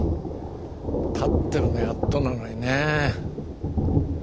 立ってるのやっとなのにね。